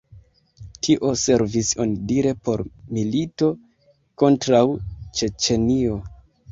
Tio servis onidire por milito kontraŭ Ĉeĉenio.